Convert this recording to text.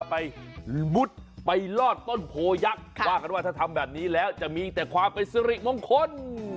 ไปมุดไปลอดต้นโพยักษ์ว่ากันว่าถ้าทำแบบนี้แล้วจะมีแต่ความเป็นสิริมงคล